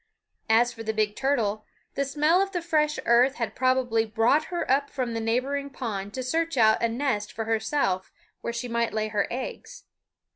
As for the big turtle, the smell of the fresh earth had probably brought her up from the neighboring pond to search out a nest for herself where she might lay her eggs.